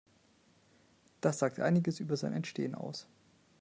Das sagt einiges über sein Entstehen aus.